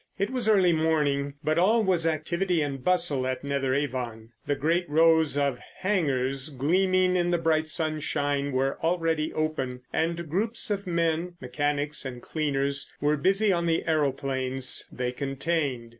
It was early morning, but all was activity and bustle at Netheravon. The great rows of "hangars" gleaming in the bright sunshine were already open, and groups of men—mechanics and cleaners—were busy on the aeroplanes they contained.